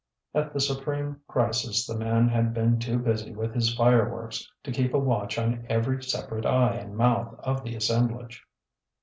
At the supreme crisis the man had been too busy with his fireworks to keep a watch on every separate eye and mouth of the assemblage.